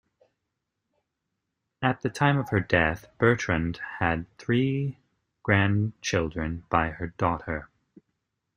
At the time of her death, Bertrand had three grandchildren by her daughter.